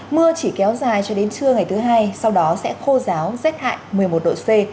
mưa chỉ kéo dài cho đến trưa ngày thứ hai sau đó sẽ khô ráo rét hại một mươi một độ c